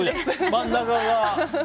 真ん中が。